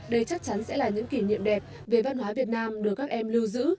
đây chắc chắn sẽ là những kỷ niệm đẹp về văn hóa việt nam được các em lưu giữ